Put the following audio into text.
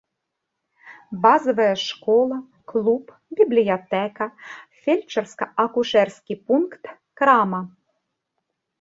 Базавая школа, клуб, бібліятэка, фельчарска-акушэрскі пункт, крама.